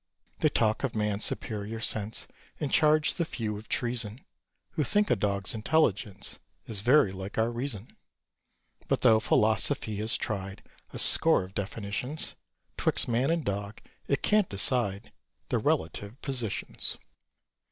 They talk of man's superior sense, And charge the few with treason Who think a dog's intelligence Is very like our reason. But though Philosophy has tried A score of definitions, 'Twixt man and dog it can't decide The relative positions.